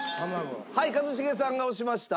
はい一茂さんが押しました。